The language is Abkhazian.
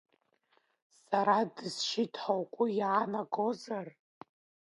Сара дысшьит ҳәа угәы иаанагозар?